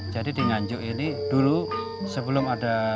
jadi di nganjuk ini dulu sebelum ada